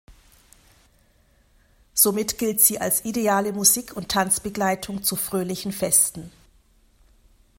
Somit gilt sie als ideale Musik- und Tanzbegleitung zu fröhlichen Festen.